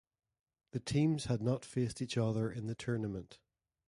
The teams had not faced each other in the tournament.